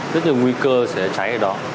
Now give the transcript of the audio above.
rất nhiều nguy cơ sẽ cháy ở đó